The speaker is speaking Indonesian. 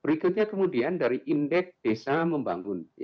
berikutnya kemudian dari indeks desa membangun